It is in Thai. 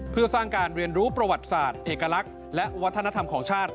เพื่อสร้างการเรียนรู้ประวัติศาสตร์เอกลักษณ์และวัฒนธรรมของชาติ